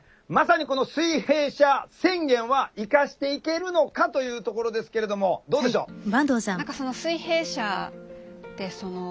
まさにこの水平社宣言は生かしていけるのかというところですけれどもどうでしょう。